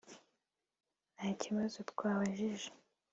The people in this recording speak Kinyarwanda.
Nta kibazo twabajije